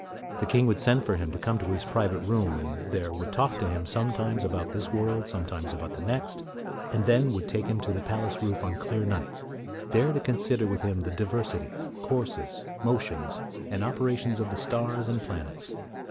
The king would send for him to come to his private room, and there would talk with him sometimes about this world, sometimes about the next, and then would take him to the palace roof on clear nights, " there to consider with him the diversities, courses, motions, and opera tions of the stars and planets.''